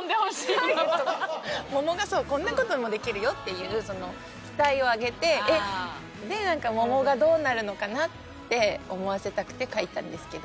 桃がこんな事もできるよっていう期待を上げてでなんか桃がどうなるのかな？って思わせたくて書いたんですけど。